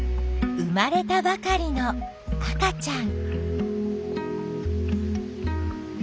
生まれたばかりの赤ちゃん。